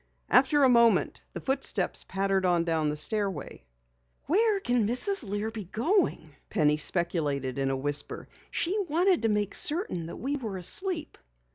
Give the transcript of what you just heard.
After a moment the footsteps pattered on down the stairway. "Where can Mrs. Lear be going?" Penny speculated in a whisper. "She wanted to make certain that we were asleep."